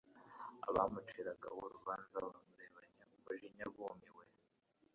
abamuciraga w-ubanza bamurebanye umujinya bumiwe